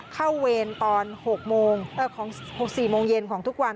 เวรตอน๖๔โมงเย็นของทุกวัน